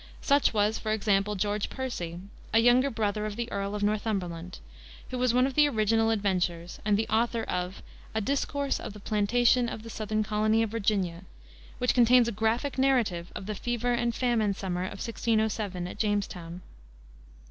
Such was, for example, George Percy, a younger brother of the Earl of Northumberland, who was one of the original adventurers, and the author of A Discourse of the Plantation of the Southern Colony of Virginia, which contains a graphic narrative of the fever and famine summer of 1607 at Jamestown.